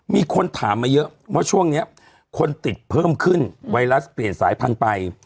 มีคนถามมาเยอะว่าช่วงนี้คนติดเพิ่มขึ้นไวรัสเปลี่ยนสายพันธุ์ไป